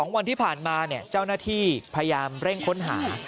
๒วันที่ผ่านมาเจ้าหน้าที่พยายามเร่งค้นหา